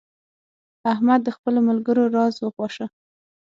احمد د خپلو ملګرو راز وپاشه.